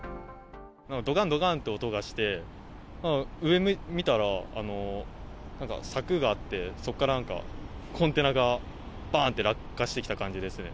どかんどかんと音がして、上見たらなんか、柵があって、そこからコンテナがばーんって落下してきた感じですね。